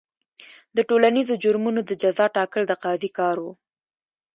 د ټولنیزو جرمونو د جزا ټاکل د قاضي کار و.